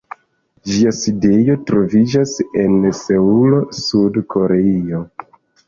Ĝia sidejo troviĝas en Seulo, Sud-Koreio.